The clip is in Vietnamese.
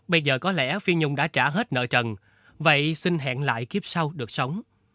bây giờ có lẽ phi nhung đã trả hết nợ trần vậy xin hẹn lại kiếp sau được sống